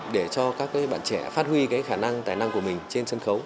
để cho các bạn trẻ phát huy cái khả năng tài năng của mình trên sân khấu